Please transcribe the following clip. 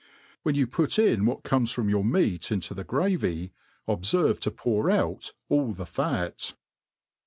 When you put in what comes from youf meat intQ the gravy, obferve to pour out all the fat.